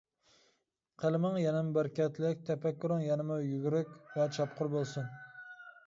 قەلىمىڭ يەنىمۇ بەرىكەتلىك، تەپەككۇرۇڭ يەنىمۇ يۈگۈرۈك ۋە چاپقۇر بولسۇن.